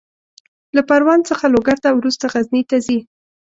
له پروان څخه لوګر ته، وروسته غزني ته ځي.